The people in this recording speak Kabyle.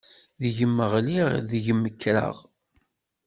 Deg-m ɣliɣ, deg-m kkreɣ.